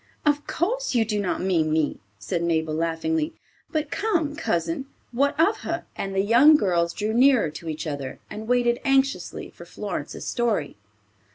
"Of course you do not mean me," said Mabel, laughingly. "But come, cousin; what of her?" And the young girls drew nearer to each other, and waited anxiously for Florence's story.